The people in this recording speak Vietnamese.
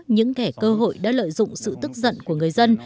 những kẻ cơ hội đã lợi dụng sự tức giận của người dân